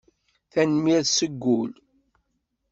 Tanemmirt seg wul.